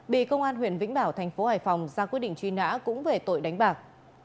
bị công an huyện vĩnh bảo tp hải phòng ra quyết định truy nã cũng về tội đánh bạc